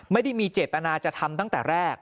ไม่ได้มีเจตนาจะทำตั้งแต่แรก